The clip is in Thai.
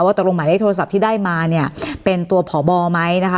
ตกลงหมายเลขโทรศัพท์ที่ได้มาเนี่ยเป็นตัวผ่อบอไหมนะคะ